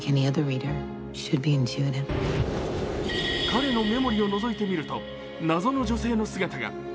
彼のメモリをのぞいてみると謎の女性の姿が。